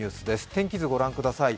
天気図ご覧ください。